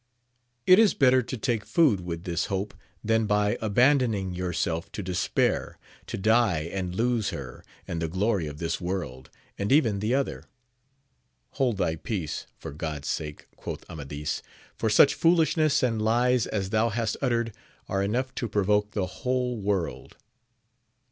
It is better to take food with this hope, than by abandoning yourself to despair, to die and lose her, and the glory of this world, and even the other. Hold thy peace, for Grod's sake ! quoth Amadis, for such foolishness and lies as thou hast uttered, are enough to provoke the whole world.